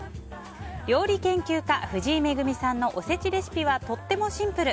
料理研究家・藤井恵さんのおせちレシピはとってもシンプル。